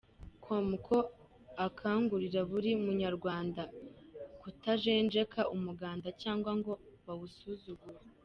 com ko akangurira buri munyarwanda kutajenjekera umuganda cyangwa ngo bawusuzugure.